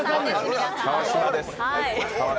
川島です。